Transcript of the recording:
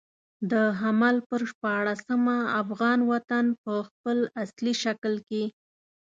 د حمل پر شپاړلسمه افغان وطن په خپل اصلي شکل کې.